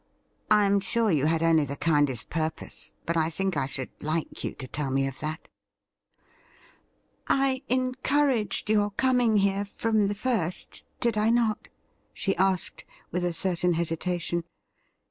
I am sure you had only the kindest purpose, but I think I should like you to tell me of that.' ' I encouraged your coming here from the first, did I not ?' she asked, with a certain hesitation.